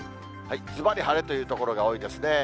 ずばり晴れという所が多いですね。